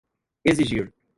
exigir